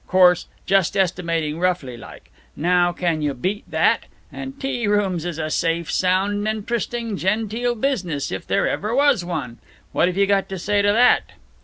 'Course just estimating roughly like. Now can you beat that? And tea rooms is a safe, sound, interesting, genteel business if there ever was one. What have you got to say to that?"